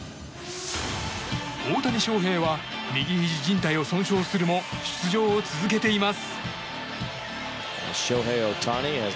大谷翔平は右ひじじん帯を損傷するも出場を続けています。